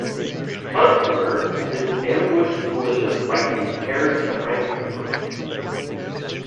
Herkimer had his ambushed militia fight in pairs behind cover.